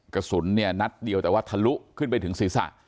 กระสุนเนี่ยนัดเดียวแต่ว่าทะลุขึ้นไปถึงศีรษะ